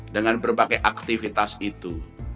dengan berbagai aktivitas itu